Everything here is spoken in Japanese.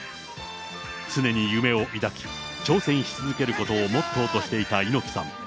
常に夢を抱き、挑戦し続けることをモットーとしていた猪木さん。